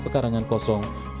pekarangan kosong di banyuwangi